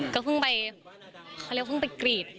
ก็เพิ่งไปเขาเรียกเพิ่งไปกรีด